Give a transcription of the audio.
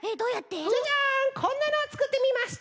ジャジャンこんなのをつくってみました。